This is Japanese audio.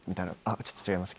ちょっと違いますね。